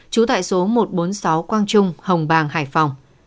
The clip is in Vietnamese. trú tại số một trăm bốn mươi sáu quang trung hồng bàng hải phòng